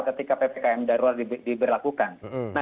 ketika ppkm darulat diberlakukan